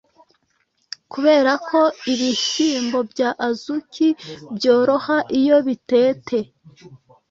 kubera ko ibihyimbo bya Azuki byoroha iyo bitete